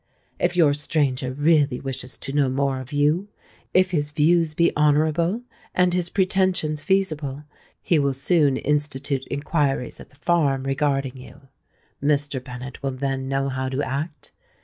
If your stranger really wishes to know more of you,—if his views be honourable, and his pretensions feasible, he will soon institute inquiries at the farm regarding you. Mr. Bennet will then know how to act.